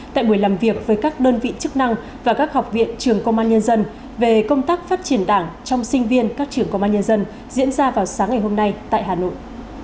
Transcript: tại buổi làm việc với các đơn vị chức năng và các học viện trường công an nhân dân về công tác phát triển đảng trong sinh viên các trường công an nhân dân diễn ra vào sáng ngày hôm nay tại hà nội